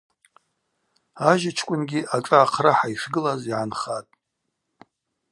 Ажьачкӏвынгьи ашӏа ахърахӏа йышгылаз йгӏанхатӏ.